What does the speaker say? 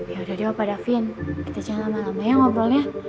yaudah deh opa davin kita jangan lama lama ya ngobrolnya